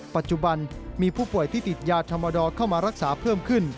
ปัจจุบันมีผู้ป่วยที่ติดยาธรรมดอเข้ามารักษาเพิ่มขึ้น